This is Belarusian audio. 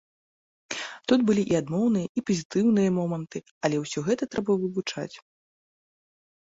Тут былі і адмоўныя, і пазітыўныя моманты, але ўсё гэта трэба вывучаць.